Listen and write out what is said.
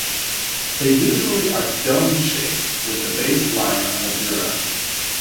They usually are dome-shaped, with the base lying on the dura.